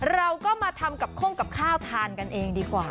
เราก็มาทำกับข้งกับข้าวทานกันเองดีกว่า